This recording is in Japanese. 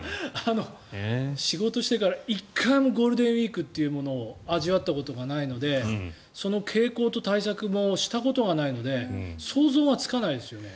仕事してから１回もゴールデンウィークというものを味わったことがないのでその傾向と対策もしたことがないので想像がつかないですよね。